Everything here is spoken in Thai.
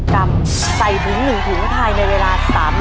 กำผักบุ้ง๑๐กรัม